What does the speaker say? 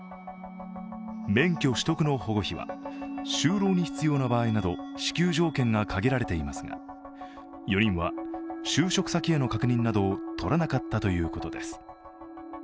免許取得の保護費は就労に必要な場合など支給条件が限られていますが、４人は就職先への確認などをとらなかったということです。